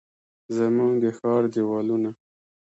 زموږ د ښار دیوالونه،